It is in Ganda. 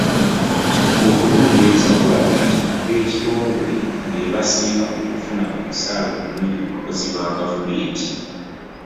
Okunoonyereza kulaga nti ab'ekitongole be basinga okufuna omusaala omungi mu bakozi ba gavumenti.